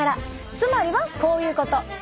つまりはこういうこと！